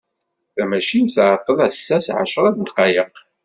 Tamacint tεeṭṭel assa s εecra n ddqayeq.